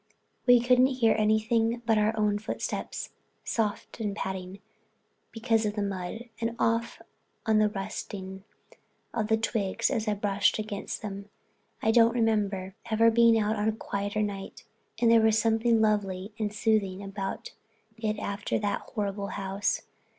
We couldn't hear anything but our own footsteps, soft and padding because of the mud, and off and on the rustling of the twigs as I brushed against them. I don't remember ever being out on a quieter night, and there was something lovely and soothing about it after that horrible house.